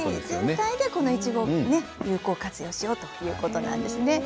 いちごを有効活用しようということなんです。